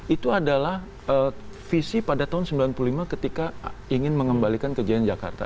itu adalah visi pada tahun seribu sembilan ratus sembilan puluh lima ketika ingin mengembalikan kejadian jakarta